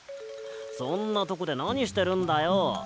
そんなとこでなにしてるんだよ。